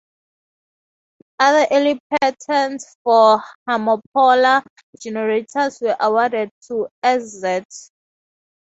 Other early patents for homopolar generators were awarded to S. Z.